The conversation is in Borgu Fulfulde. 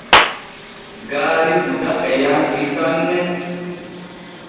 Gaari Gouda e yanɗi sanne.